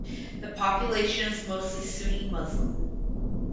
The population is mostly Sunni Muslim.